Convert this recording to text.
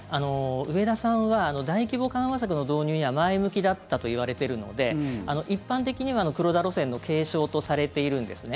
植田さんは大規模緩和策の導入には前向きだったといわれてるので一般的には黒田路線の継承とされているんですね。